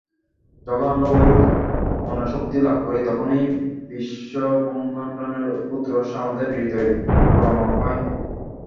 যখন আমরা ঐরূপ অনাসক্তি লাভ করি, তখনই বিশ্বব্রহ্মাণ্ডের অদ্ভুত রহস্য আমাদের হৃদয়ঙ্গম হয়।